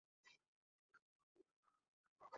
কিছু তড়িৎ প্রবাহ লাগবে আপনার মস্তিস্কের জন্য।